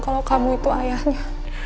kalau kamu itu ayahnya